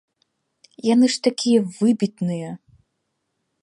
Яны ж такія выбітныя!